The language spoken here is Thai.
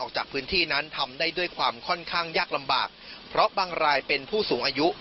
ค่อนข้างยากลำบากเพราะบางรายเป็นผู้สูงอายุ